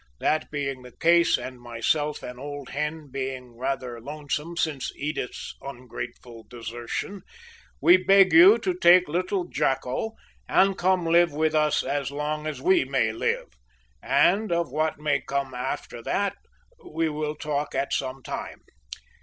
That being the case, and myself and Old Hen being rather lonesome since Edith's ungrateful desertion, we beg you to take little Jacko, and come live with us as long as we may live and of what may come after that we will talk at some time.